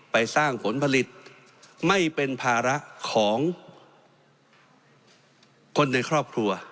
ไปสร้างผลผลิตไม่เป็นภาระของคนในครอบครัว